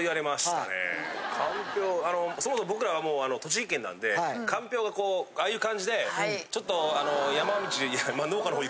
かんぴょうそもそも僕らはもう栃木県なんでかんぴょうがああいう感じでちょっとあの山道。